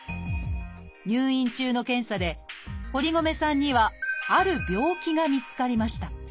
入院中の検査で堀米さんにはある病気が見つかりました。